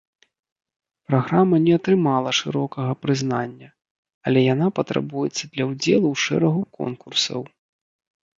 Праграма не атрымала шырокага прызнання, але яна патрабуецца для ўдзелу ў шэрагу конкурсаў.